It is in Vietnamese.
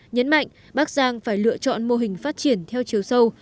nhấn mạnh bác giang phải lựa chọn mô hình phát triển theo chiều sâu